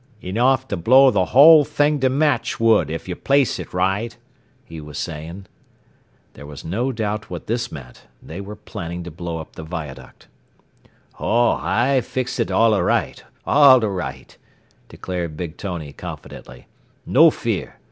"... enough to blow the whole thing to matchwood, if you place it right," he was saying. There was no doubt what this meant. They were planning to blow up the viaduct. "Oh, I fixa it alla right, alla right," declared Big Tony confidently. "No fear.